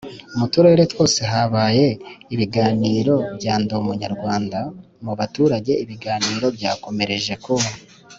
Mu Turere twose habaye ibiganiro bya Ndi Umunyarwanda. mu baturage ibiganiro byakomereje ku